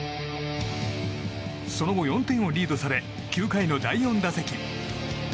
その後、４点をリードされ９回の第４打席。